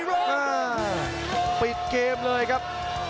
ปิดเกมเลยครับ